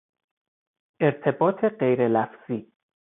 ارتباط غیرلفظی